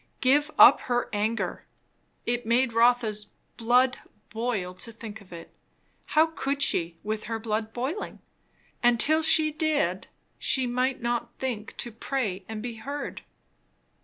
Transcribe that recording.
Give up her anger! It made Rotha's blood boil to think of it. How could she, with her blood boiling? And till she did she might not think to pray and be heard.